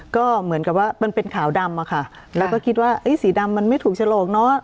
ก็เหมือนกับว่ามันเป็นขาวดำอะค่ะแล้วก็คิดว่าสีดำมันไม่ถูกฉลกเนอะ